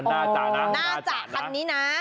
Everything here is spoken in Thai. น่าจะคันนี้นะ